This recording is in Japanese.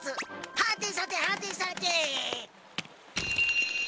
はてさてはてさて。